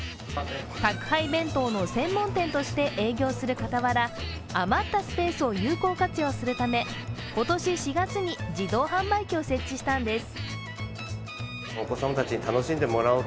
宅配弁当の専門店として営業する傍ら余ったスペースを有効活用するため今年４月に自動販売機を設置したんです。